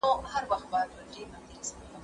ده هم وركړل انعامونه د ټگانو